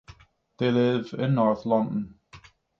They live in north London.